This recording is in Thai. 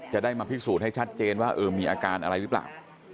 จะได้มาพิสูจน์ให้ชัดเจนว่ามีอาการอะไรหรือเปล่า